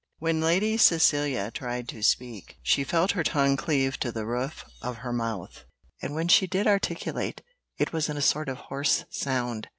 When Lady Cecilia tried to speak, she felt her tongue cleave to the roof of her mouth; and when she did articulate, it was in a sort of hoarse sound.